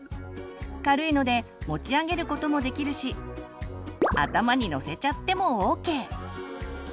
軽いので持ち上げることもできるし頭にのせちゃってもＯＫ！